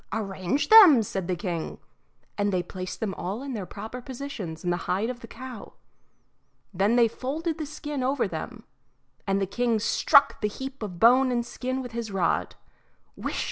"Arrange them," said the king; and they placed them all in their proper positions in the hide of the cow. Then they folded the skin over them, and the king struck the heap of bone and skin with his rod. Whisht!